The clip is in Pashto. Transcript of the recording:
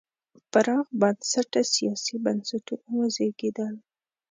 پراخ بنسټه سیاسي بنسټونه وزېږېدل.